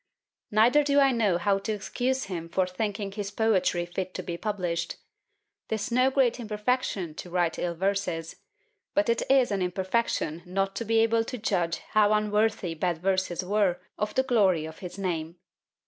Neither do I know how to excuse him for thinking his poetry fit to be published. 'Tis no great imperfection to write ill verses; but it is an imperfection not to be able to judge how unworthy bad verses were of the glory of his name.